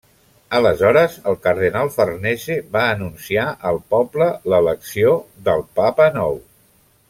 Aleshores el cardenal Farnese va anunciar al poble l'elecció del papa nou.